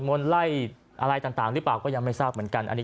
มนต์ไล่อะไรต่างหรือเปล่าก็ยังไม่ทราบเหมือนกันอันนี้